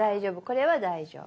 これは大丈夫。